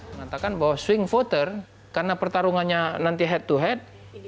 mengatakan bahwa swing voter karena pertarungannya nanti head to head